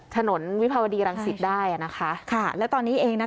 ถนนวิภาวดีรังสิตได้อ่ะนะคะค่ะแล้วตอนนี้เองนะคะ